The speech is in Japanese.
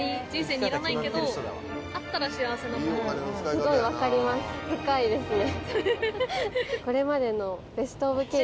すごい分かります深いですね。